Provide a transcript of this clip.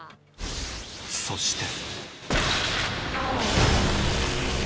そして。